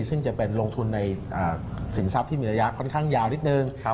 ซึ่งจะเป็นลงทุนในสินทรัพย์ที่มีระยะค่อนข้างยาวนิดนึง